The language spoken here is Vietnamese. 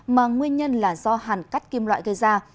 mà nguyên nhân là do hàn cắt kim loại gây ra